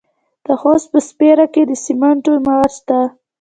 د خوست په سپیره کې د سمنټو مواد شته.